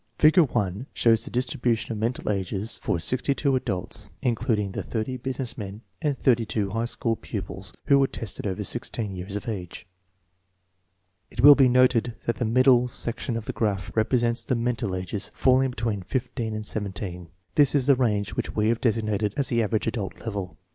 Figure 1 shows the distribution of mental ages for 62 THE STANFORD REVISION adults, including the 30 business men and the S high school pupils who were over 16 years of age. It will be noted that the middle section of the graph represents the " mental ages " falling between 15 and 17. This is the range which we have designated as the " average adult " level.